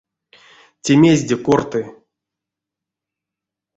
Те мезде корты?